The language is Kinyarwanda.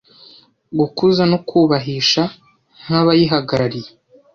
gukuza no kubahisha nk’abayihagarariye